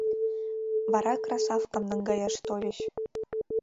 Вара Красавкам наҥгаяш тольыч.